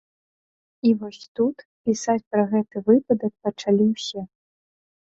І вось тут пісаць пра гэты выпадак пачалі ўсё.